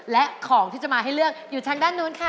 และของที่จะมาให้เลือกอยู่ทางด้านนู้นค่ะ